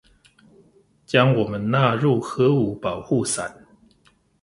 將我們納入核武保護傘